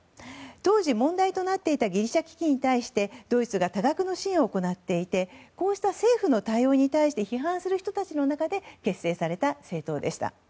当時、問題となっていたギリシャ危機に対してドイツが多額の支援を行っていてこうした政府の対応に対して批判する人たちの中で結成された政党でした。